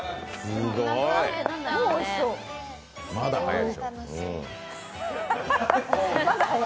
まだ早い。